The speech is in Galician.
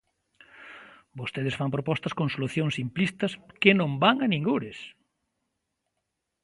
Vostedes fan propostas con solucións simplistas que non van a ningures.